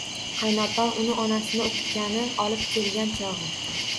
Qaynopam uni onasiga o`qitgani olib kelgan chog`i